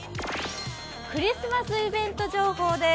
クリスマスイベント情報です。